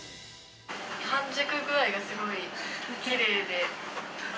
半熟具合がすごいきれいで。